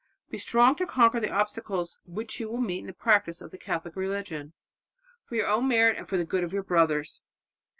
. be strong to conquer the obstacles which you will meet in the practice of the Catholic religion, for your own merit and for the good of your brothers."